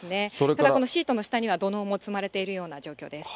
ただ、このシートの下には土のうも積まれているような状況です。